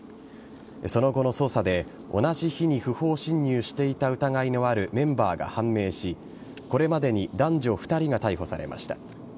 その後の捜査で同じ日に不法侵入していた疑いのあるメンバーが判明しこれまでに男女２人が逮捕されました。